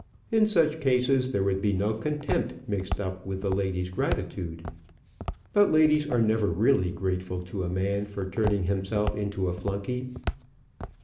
In such cases, there would be no contempt mixed up with the lady's gratitude. But ladies are never really grateful to a man for turning himself into a flunky."